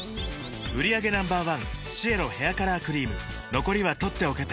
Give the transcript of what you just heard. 売上№１シエロヘアカラークリーム残りは取っておけて